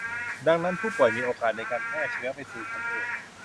ดังนั้นผู้ป่วยมีโอกาสในการแพร่เชื้อไปสู่คนอื่น